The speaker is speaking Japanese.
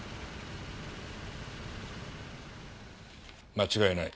間違いない。